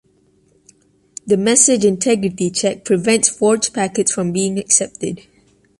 The message integrity check prevents forged packets from being accepted.